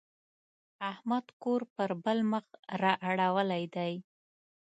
احمد کور پر بل مخ را اړولی دی.